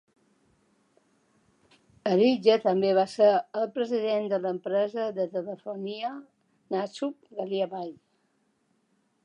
Herridge també va ser el president de l'empresa de telefonia Naksup-Galena Bay.